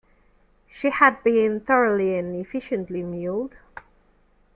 She had been thoroughly and efficiently mauled.